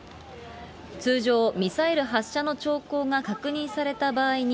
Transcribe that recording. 通常、ミサイル発射の兆候が確認された場合に、